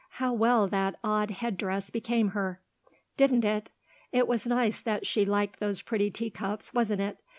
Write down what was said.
"How well that odd head dress became her." "Didn't it? It was nice that she liked those pretty teacups, wasn't it.